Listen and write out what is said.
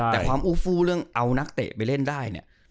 แต่ความอูฟูเรื่องเอานักเตะไปเล่นได้เนี่ย